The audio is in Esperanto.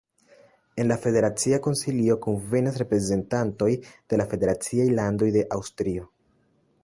En la Federacia Konsilio kunvenas reprezentantoj de la federaciaj landoj de Aŭstrio.